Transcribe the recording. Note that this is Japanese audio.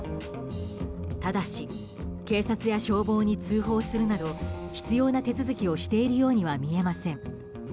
ただし警察や消防に通報するなど必要な手続きをしているようには見えません。